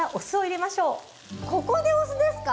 ここでお酢ですか？